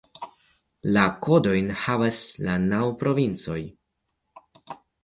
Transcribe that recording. La kodojn havas la naŭ provincoj.